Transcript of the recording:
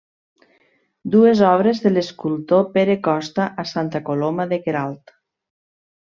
Dues obres de l'escultor Pere Costa a Santa Coloma de Queralt.